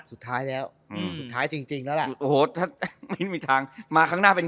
สุดท้ายแล้วสุดท้ายจริงแล้วแหละ